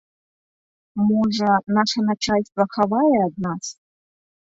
Можа, наша начальства хавае ад нас?